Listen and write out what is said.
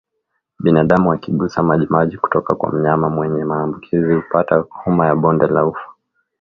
Binadamu akigusa majimaji kutoka kwa mnyama mwenye maambukizi hupata homa ya bonde la ufa